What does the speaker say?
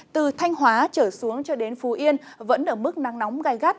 từ thanh hóa trở xuống cho đến phú yên vẫn ở mức nắng nóng gai gắt